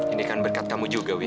ini kan berkat kamu juga wi